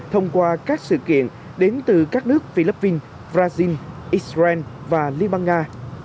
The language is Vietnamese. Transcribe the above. thông qua các sự kiện đến từ các nước philippines brazil israel và liên bang nga